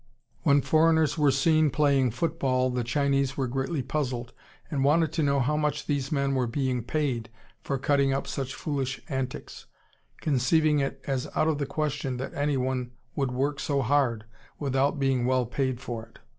When foreigners were seen playing football the Chinese were greatly puzzled, and wanted to know how much these men were being paid for cutting up such foolish antics, conceiving it as out of the question that any one would work so hard without being well paid for it.